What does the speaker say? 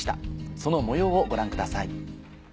その模様をご覧ください。